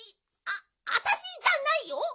ああたしじゃないよ！